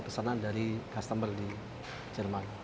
pesanan dari customer di jerman